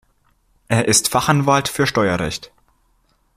Er ist Fachanwalt für Steuerrecht.